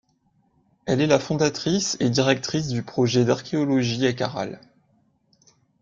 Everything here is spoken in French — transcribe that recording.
Elle est la fondatrice et directrice du projet d'archéologie à Caral.